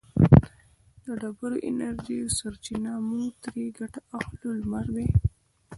د ډېرو انرژیو سرچینه چې موږ ترې ګټه اخلو لمر دی.